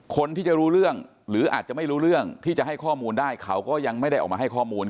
คนที่จะรู้เรื่องหรืออาจจะไม่รู้เรื่องที่จะให้ข้อมูลได้เขาก็ยังไม่ได้ออกมาให้ข้อมูล